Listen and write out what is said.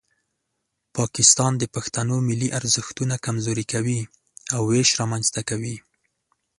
پاکستان د پښتنو ملي ارزښتونه کمزوري کوي او ویش رامنځته کوي.